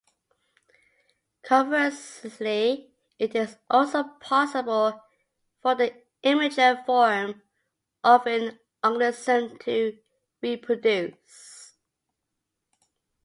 Conversely it is also possible for the "immature" form of an organism to reproduce.